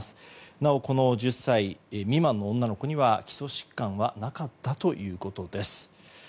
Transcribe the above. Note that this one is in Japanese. なお、この１０歳未満の女の子には基礎疾患はなかったということです。